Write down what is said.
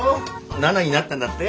７になったんだって。